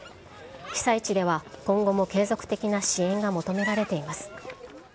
被災地では、今後も継続的な支援が求められています。